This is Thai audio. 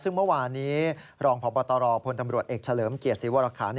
ซึ่งเมื่อวานี้รองพบตรพลตำรวจเอกเฉลิมเกียรติศรีวรคา